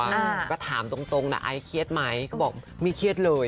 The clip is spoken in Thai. อืมก็ถามตรงตรงนะไอเครียดไหมก็บอกไม่เครียดเลย